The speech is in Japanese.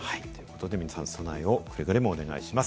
備えをくれぐれもお願いします。